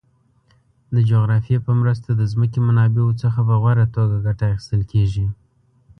د جغرافیه په مرسته د ځمکې منابعو څخه په غوره توګه ګټه اخیستل کیږي.